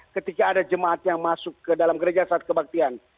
ketika ada jemaat yang masuk ke dalam gereja saat kebaktian